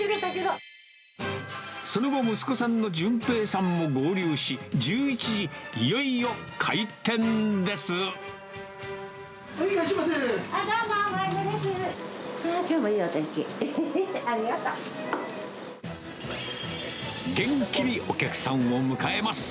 その後、息子さんの淳平さんも合流し、１１時、いよいよ開店です。